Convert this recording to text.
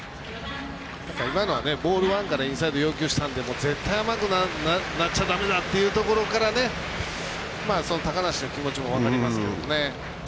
今のはボールワンからインサイド要求したので絶対、甘くなっちゃだめだというところから高梨の気持ちも分かりますけどね。